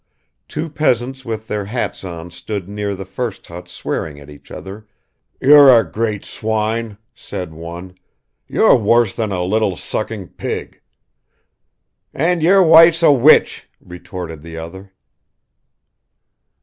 Two peasants with their hats on stood near the first hut swearing at each other. "You're a great swine," said one, "you're worse than a little sucking pig." "And your wife's a witch," retorted the other.